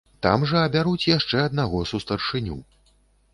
Там жа абяруць яшчэ аднаго сустаршыню.